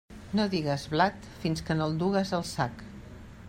No digues blat fins que no el dugues al sac.